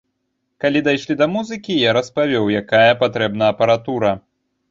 Калі дайшлі да музыкі, я распавёў, якая патрэбна апаратура.